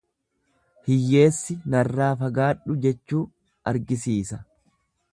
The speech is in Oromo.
Hiyyeessi narraa fagaadhu jechuu argisiisa.